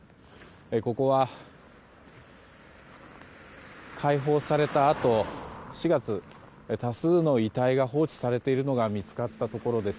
ここは解放されたあと４月、多数の遺体が放置されているのが見つかったところです。